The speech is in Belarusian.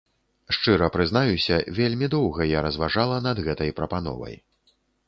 Шчыра прызнаюся, вельмі доўга я разважала над гэтай прапановай.